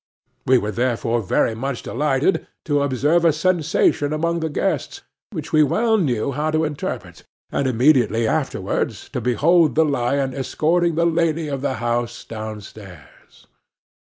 We were therefore very much delighted to observe a sensation among the guests, which we well knew how to interpret, and immediately afterwards to behold the lion escorting the lady of the house down stairs.